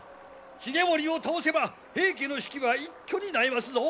重盛を倒せば平家の士気は一挙に萎えますぞ。